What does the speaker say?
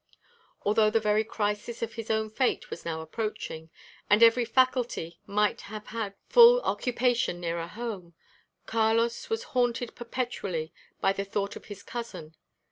Although the very crisis of his own fate was now approaching, and every faculty might have had full occupation nearer home, Carlos was haunted perpetually by the thought of his cousin.